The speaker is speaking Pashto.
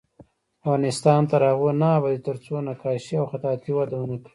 افغانستان تر هغو نه ابادیږي، ترڅو نقاشي او خطاطي وده ونه کړي.